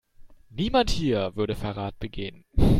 Niemand hier würde Verrat begehen.